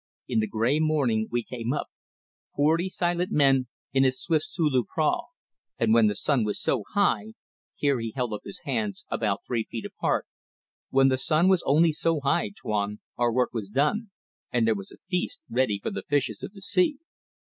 "In the grey morning we came up: forty silent men in a swift Sulu prau; and when the sun was so high" here he held up his hands about three feet apart "when the sun was only so high, Tuan, our work was done and there was a feast ready for the fishes of the sea."